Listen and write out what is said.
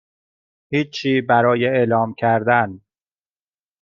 هیچی برای اعلام کردن